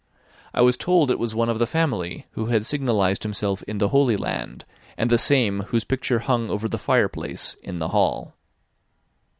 I was told it was one of the family who had signalised himself in the Holy Land, and the same whose picture hung over the fireplace in the hall.